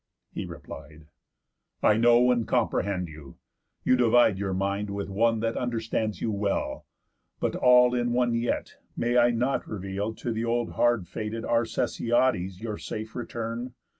He replied; "I know, and comprehend you. You divide Your mind with one that understands you well. But, all in one yet, may I not reveal To th' old hard fated Arcesiades Your safe return?